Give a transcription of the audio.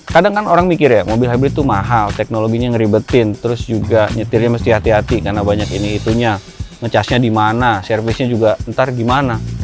kadang kan orang mikir ya mobil hybrid itu mahal teknologinya ngeribetin terus juga nyetirnya mesti hati hati karena banyak ini itunya nge charge nya di mana servisnya juga ntar gimana